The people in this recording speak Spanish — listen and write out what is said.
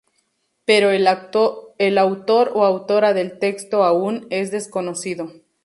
Pero el autor o autora del texto aún es desconocido.